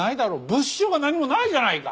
物証が何もないじゃないか！